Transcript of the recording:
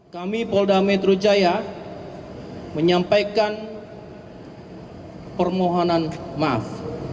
kami polda metro jaya menyampaikan permohonan maaf